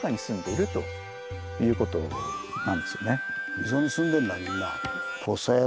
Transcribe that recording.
溝に住んでんだみんな。